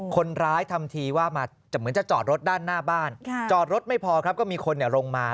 คนร้ายทำทีว่าเหมือนจะจอดรถด้านหน้าบ้านจอดรถไม่พอครับก็มีคนลงมา